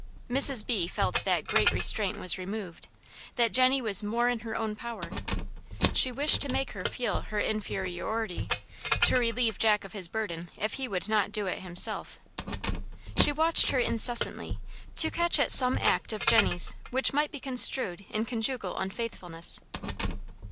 Mrs. B. felt that great restraint was removed, that Jenny was more in her own power. She wished to make her feel her inferiority; to relieve Jack of his burden if he would not do it himself. She watched her incessantly, to catch at some act of Jenny's which might be construed into conjugal unfaithfulness.